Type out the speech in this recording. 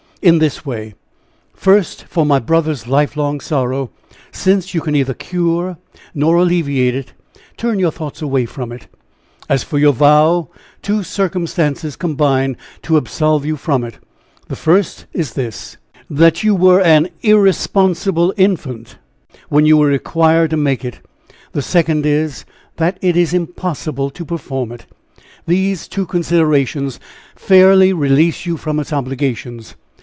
"In this way first, for my brother's life long sorrow, since you can neither cure nor alleviate it, turn your thoughts away from it. As for your vow, two circumstances combine to absolve you from it; the first is this that you were an irresponsible infant, when you were required to make it the second is, that it is impossible to perform it; these two considerations fairly release you from its obligations.